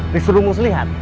disuruh kang muslihat